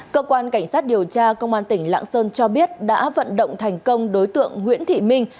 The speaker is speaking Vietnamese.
cơ quan cảnh sát điều tra công an tỉnh lạng sơn cho biết đã vận động thành công đối tượng nguyễn thị minh